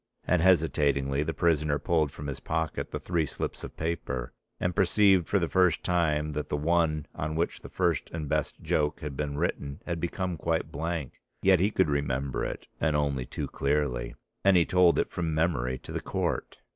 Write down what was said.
And hesitatingly the prisoner pulled from his pocket the three slips of paper: and perceived for the first time that the one on which the first and best joke had been written had become quite blank. Yet he could remember it, and only too clearly. And he told it from memory to the Court.